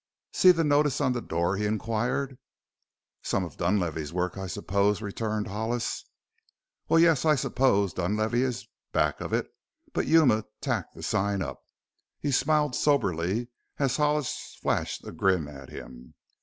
"See the notice on the door?" he inquired. "Some of Dunlavey's work, I suppose," returned Hollis. "Well, yes. I suppose Dunlavey is back of it. But Yuma tacked the sign up." He smiled soberly as Hollis flashed a grin at him.